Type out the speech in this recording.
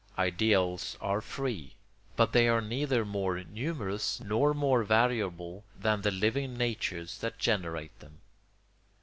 Ideals are free, but they are neither more numerous nor more variable than the living natures that generate them.